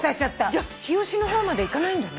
じゃあ日吉の方まで行かないんだね。